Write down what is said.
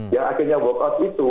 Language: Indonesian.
ya akhirnya work out itu